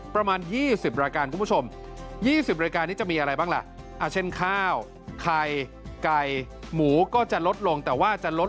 ประมาณ๒๐ราการ